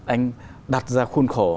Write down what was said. anh đặt ra khuôn khổ